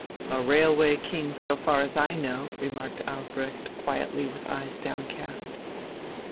"A railway king, so far as I know," remarked Albrecht quietly with eyes downcast.